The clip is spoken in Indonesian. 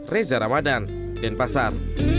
reza ramadan denpasar